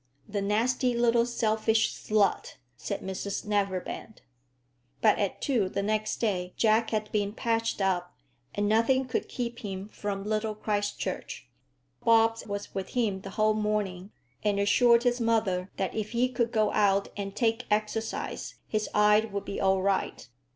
"The nasty little selfish slut!" said Mrs Neverbend. But at two the next day Jack had been patched up, and nothing could keep him from Little Christchurch. Bobbs was with him the whole morning, and assured his mother that if he could go out and take exercise his eye would be all right.